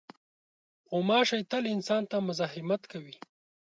غوماشې تل انسان ته مزاحمت کوي.